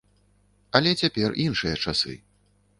Але цяпер іншыя часы.